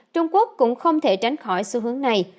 trung quốc cũng không thể tránh khỏi xu hướng này